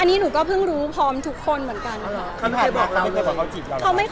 อันนี้หนูก็เพิ่งรู้พร้อมทุกคนเหมือนกันนะคะ